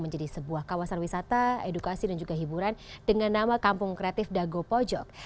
menjadi sebuah kawasan wisata edukasi dan juga hiburan dengan nama kampung kreatif dago pojok